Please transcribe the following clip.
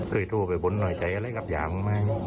เคยโด้ไว้บนหน่อยใจอะไรรับยามากมาย